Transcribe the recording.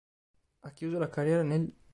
Ha chiuso la carriera nell'.